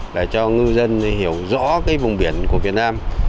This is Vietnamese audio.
để cho ngư dân hiểu rõ cái vùng biển của việt nam